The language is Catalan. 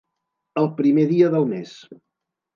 El primer dia del mes.